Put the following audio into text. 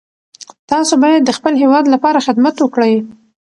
تاسو باید د خپل هیواد لپاره خدمت وکړئ.